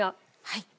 はい。